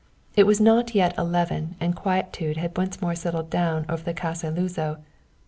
It was not yet eleven and quietude had once more settled down over the Casa Luzo.